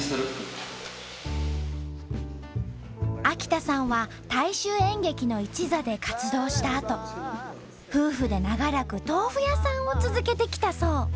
秋田さんは大衆演劇の一座で活動したあと夫婦で長らく豆腐屋さんを続けてきたそう。